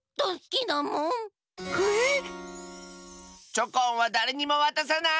チョコンはだれにもわたさない！